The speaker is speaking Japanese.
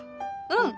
うん。